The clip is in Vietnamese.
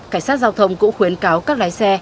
cảnh sát giao thông cũng khuyến cáo các lái xe